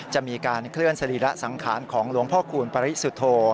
จะมีการเคลื่อนสรีระสังขารของหลวงพ่อคูณปริสุทธโธ